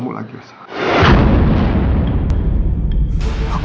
kamu amat bangga dengan aku